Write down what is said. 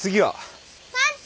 パンチ！